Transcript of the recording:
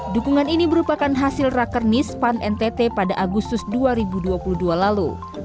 dukungan ini merupakan hasil rakernis pan ntt pada agustus dua ribu dua puluh dua lalu